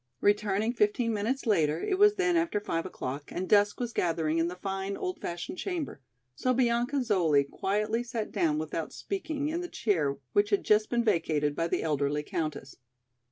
" Returning fifteen minutes later, it was then after five o'clock and dusk was gathering in the fine, old fashioned chamber, so Bianca Zoli quietly sat down without speaking in the chair which had just been vacated by the elderly countess.